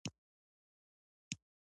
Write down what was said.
په ژوند کې ښو اخلاقو ته ژمن پاتې کېدل مهم دي.